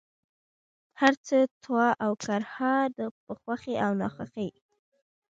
هرڅه، طوعا اوكرها ، په خوښۍ او ناخوښۍ،